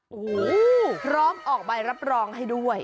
โอ้โหพร้อมออกใบรับรองให้ด้วย